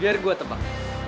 biar gue tebak